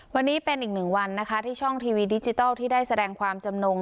วันนี้เป็นอีกหนึ่งวันนะคะที่ช่องทีวีดิจิทัลที่ได้แสดงความจำนง